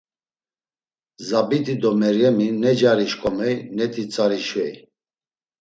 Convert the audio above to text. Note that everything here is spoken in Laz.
Zabit̆i do Meryemi ne cari şǩomey neti tzari şvey.